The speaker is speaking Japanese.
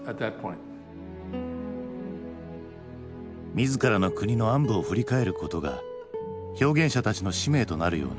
自らの国の暗部を振り返ることが表現者たちの使命となるような時代。